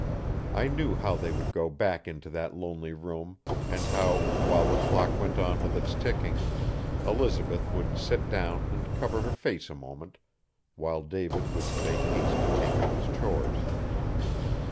I knew how they would go back into that lonely room and how, while the clock went on with its ticking, Elizabeth would sit down and cover her face a moment, while David would make haste to take up his chores.